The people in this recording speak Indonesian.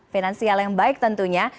finansial yang baik tentunya